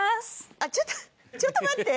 あっちょっとちょっと待って。